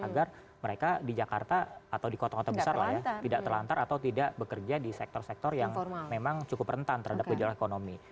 agar mereka di jakarta atau di kota kota besar lah ya tidak terlantar atau tidak bekerja di sektor sektor yang memang cukup rentan terhadap gejala ekonomi